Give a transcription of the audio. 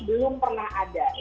belum pernah ada